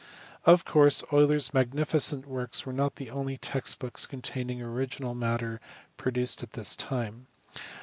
Of course Euler s magnificent works were not the only text books containing original matter produced at this time.